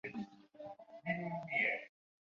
这座小丘属大地主冈田家所有而得名。